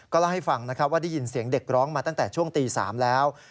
เล่าให้ฟังนะครับว่าได้ยินเสียงเด็กร้องมาตั้งแต่ช่วงตี๓แล้ว